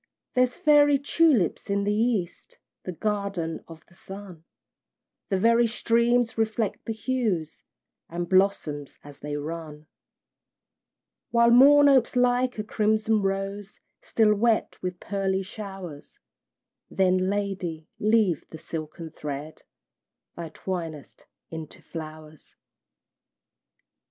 There's fairy tulips in the east, The garden of the sun; The very streams reflect the hues, And blossom as they run: While Morn opes like a crimson rose, Still wet with pearly showers; Then, lady, leave the silken thread Thou twinest into flowers!